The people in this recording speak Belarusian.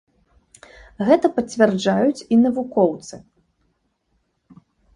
Гэта пацвярджаюць і навукоўцы.